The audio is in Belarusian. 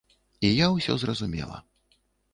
І я ўсё зразумела.